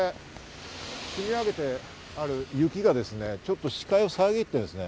積み上げてある雪が視界を遮っているんですね。